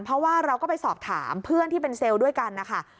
เพราะว่าเราก็ไปสอบถามเพื่อนที่เป็นเซลล์ด้วยกันนะคะ